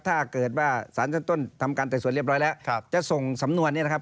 ถ้าเกิดว่าสารชั้นต้นทำการแต่ส่วนเรียบร้อยแล้วจะส่งสำนวนนี้นะครับ